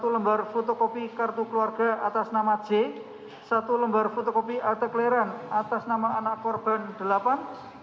satu lembar fotokopi akta keluarga atas nama anak korban delapan